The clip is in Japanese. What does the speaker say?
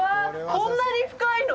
こんなに深いの？